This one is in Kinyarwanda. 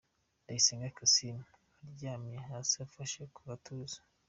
Ndayisenga Kassim aryamye hasi afashe mu gatuza.